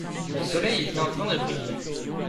le soleil était en train de briller.